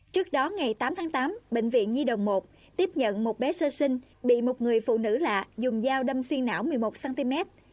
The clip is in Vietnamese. trước đó ngày tám tháng tám bệnh viện nhi đồng một tiếp nhận một bé sơ sinh bị một người phụ nữ lạ dùng dao đâm xuyên não một mươi một cm